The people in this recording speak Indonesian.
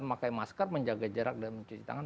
memakai masker menjaga jarak dan mencuci tangan